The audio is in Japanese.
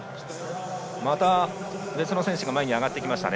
また、別の選手が前に上がってきました。